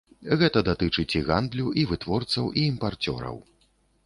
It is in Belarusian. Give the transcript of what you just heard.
Гэта датычыць і гандлю, і вытворцаў, і імпарцёраў.